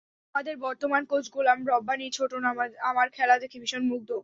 আমাদের বর্তমান কোচ গোলাম রব্বানী ছোটন আমার খেলা দেখে ভীষণ মুগ্ধ।